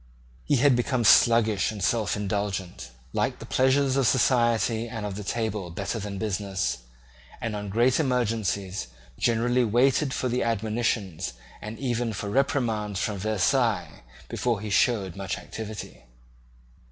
He had become sluggish and self indulgent, liked the pleasures of society and of the table better than business, and on great emergencies generally waited for admonitions and even for reprimands from Versailles before he showed much activity.